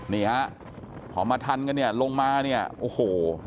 เนี่ยพอมาถันกันลงมาเนี่ยโอ้โห